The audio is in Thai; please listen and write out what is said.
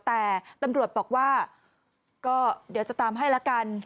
แต่ตำรวจบอกว่าก็เดี๋ยวจะตามให้ละกัน